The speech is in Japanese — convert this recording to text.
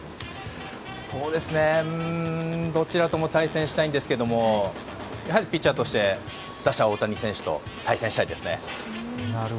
どちらとも対戦したいんですけどやはりピッチャーとして打者・大谷選手と対戦したいですね。